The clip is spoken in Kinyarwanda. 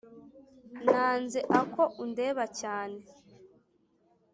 nanze ako undeba cyane